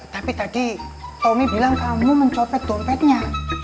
tapi tadi tommy bilang kamu mencopet dompetnya